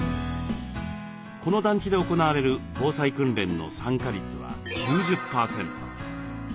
この団地で行われる防災訓練の参加率は９０％。